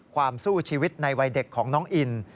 สู้ชีวิตในวัยเด็กของน้องอิน